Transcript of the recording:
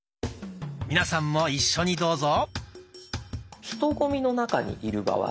皆さんも一緒にどうぞ。